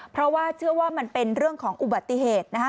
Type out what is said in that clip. เพราะว่าเชื่อว่ามันเป็นเรื่องของอุบัติเหตุนะฮะ